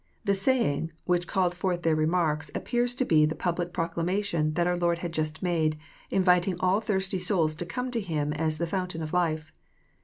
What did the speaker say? The saying which called forth their remarks ap pears to be the public proclamation that our Lord had just made, inviting all thirsty souls to come to Him as the fountain of life.